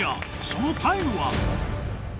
そのタイムは？